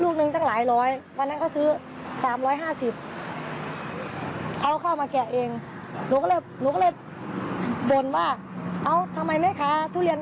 แกเขาแกะให้แกะ